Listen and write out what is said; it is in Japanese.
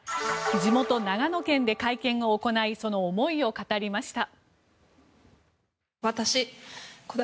地元・長野県で会見を行いその思いを語りました。